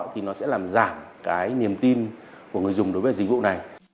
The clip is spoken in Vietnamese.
thì nó sẽ làm giảm cái niềm tin của người dùng đối với dịch vụ này